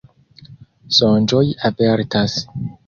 Sonĝoj avertas.